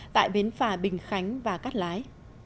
tại bến phà bình khánh và cát lái